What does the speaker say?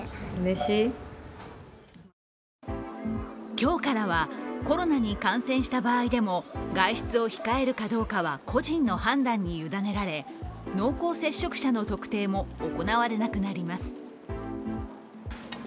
今日からはコロナに感染した場合でも外出を控えるかどうかは個人の判断に委ねられ濃厚接触者の特定も行われなくなります。